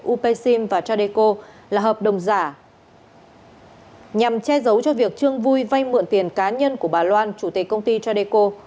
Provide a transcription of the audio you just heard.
upsim và tradeco là hợp đồng giả nhằm che giấu cho việc trường vui vay mượn tiền cá nhân của bà loan chủ tịch công ty tradeco